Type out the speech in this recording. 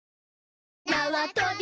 なわとび